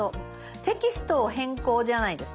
「テキストを変更」じゃないですか？